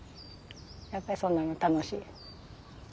やっぱりそんなんが楽しい。